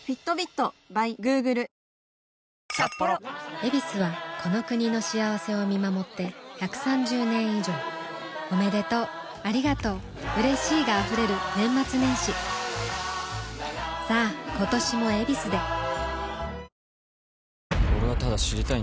「ヱビス」はこの国の幸せを見守って１３０年以上おめでとうありがとううれしいが溢れる年末年始さあ今年も「ヱビス」で［運